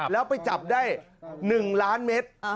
แล้วไปจับได้๑ล้านเมตร